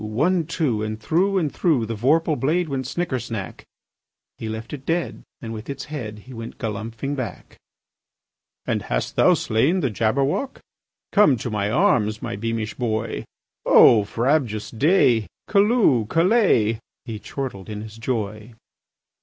One, two! And through and through The vorpal blade went snicker snack! He left it dead, and with its head He went galumphing back. "And hast thou slain the Jabberwock? Come to my arms, my beamish boy! O frabjous day! Callooh! Callay!" He chortled in his joy.